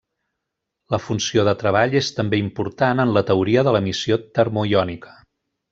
La funció de treball és també important en la teoria de l'emissió termoiònica.